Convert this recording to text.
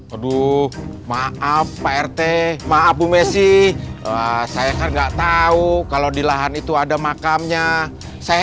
aduh maaf pak rt maaf bu messi saya kan enggak tahu kalau di lahan itu ada makamnya saya